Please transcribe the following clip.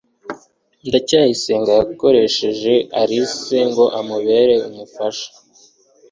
ndacyayisenga yakoresheje alice ngo amubere umufasha